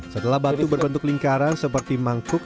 setelah batu berbentuk lingkaran seperti mangkuk